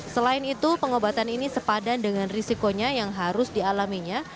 selain itu pengobatan ini sepadan dengan risikonya yang harus dialaminya